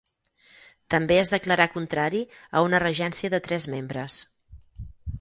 També es declarà contrari a una regència de tres membres.